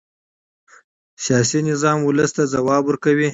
سیاسي نظام ولس ته ځواب ورکوي